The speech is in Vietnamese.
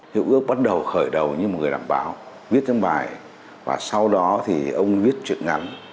hiệu ước bắt đầu khởi đầu như một người làm báo viết thêm bài và sau đó thì ông viết chuyện ngắn